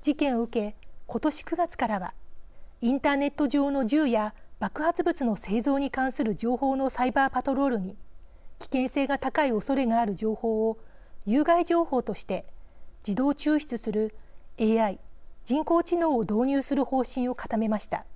事件を受け今年９月からはインターネット上の銃や爆発物の製造に関する情報のサイバーパトロールに危険性が高いおそれがある情報を有害情報として自動抽出するＡＩ人工知能を導入する方針を固めました。